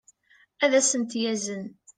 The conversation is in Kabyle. ad as-ten-yazen